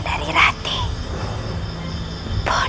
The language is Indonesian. tapi tak apa